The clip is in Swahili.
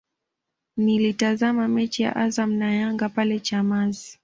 Nilitazama mechi ya Azam na Yanga pale Chamazi